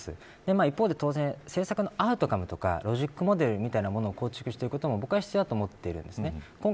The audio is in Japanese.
一方で当然、政策のアウトカムロジックモデルみたいなものを構築することも必要だと思うんですね。